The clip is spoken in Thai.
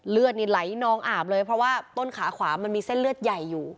เลือดนี่ไหลนองอาบเลยเพราะว่าต้นขาขวามันมีเส้นเลือดใหญ่อยู่